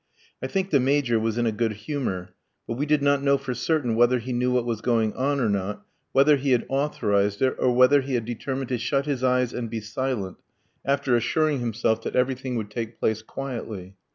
I think the Major was in a good humour; but we did not know for certain whether he knew what was going on or not, whether he had authorised it, or whether he had determined to shut his eyes and be silent, after assuring himself that everything would take place quietly.